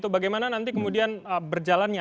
bagaimana nanti kemudian berjalannya